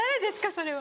それは。